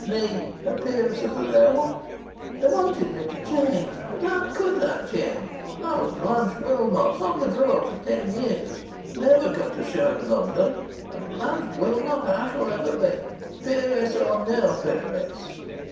Me a peeress of the realm! They wanted me to change. But how could I change? I was Blanche Wilmot on the road for ten years never got a show in London and Blanche Wilmot I shall ever be peeress or no peeress!